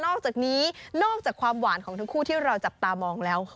อกจากนี้นอกจากความหวานของทั้งคู่ที่เราจับตามองแล้ว